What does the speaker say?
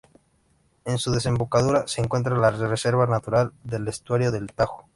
En su desembocadura se encuentra la Reserva Natural del Estuario del Tajo.